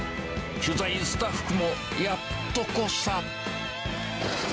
取材スタッフもやっとこさ。